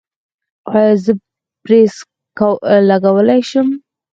ایا زه برېس لګولی شم؟